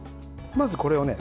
まずこれをね